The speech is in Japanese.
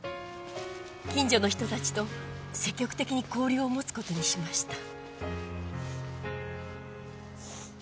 近所の人たちと積極的に交流を持つことにしました。